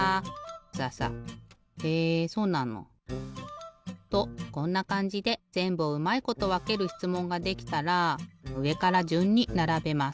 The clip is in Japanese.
ササへえそうなの！とこんなかんじでぜんぶうまいことわけるしつもんができたらうえからじゅんにならべます。